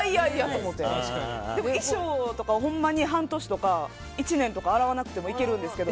でも衣装とかは半年とか１年とか洗わなくてもいけるんですけど。